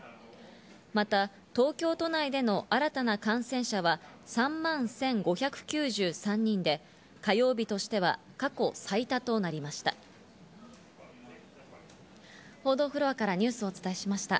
また、東京都内での新たな感染者は３万１５９３人で、火曜日としては過去最多となりました。